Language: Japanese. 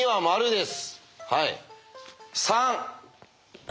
○です。